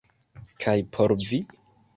Kaj por vi?